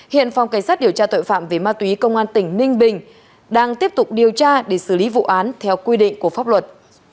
hiện phòng cảnh sát điều tra tội phạm về ma túy công an tỉnh ninh bình đang tiếp tục điều tra để xử lý vụ án theo quy định của pháp luật